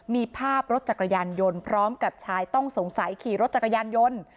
มีภาพรถจักรยานยนต์พร้อมกับชายต้องสงสัยขี่รถจักรยานยนต์